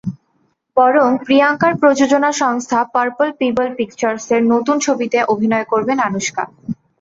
বরং প্রিয়াঙ্কার প্রযোজনা সংস্থা পার্পল পিবল পিকচার্সের নতুন ছবিতে অভিনয় করবেন আনুশকা।